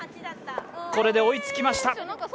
これで追いつきました。